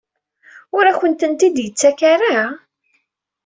Ur akent-ten-id-yettak ara?